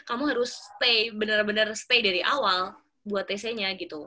kamu harus stay benar benar stay dari awal buat tc nya gitu